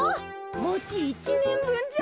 もち１ねんぶんじゃ。